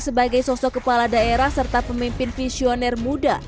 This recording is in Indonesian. sebagai sosok kepala daerah serta pemimpin visioner muda